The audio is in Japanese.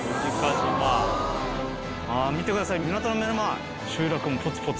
見てください港の目の前。